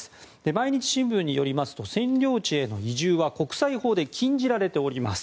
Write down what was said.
毎日新聞によりますと占領地への移住は国際法で禁じられております。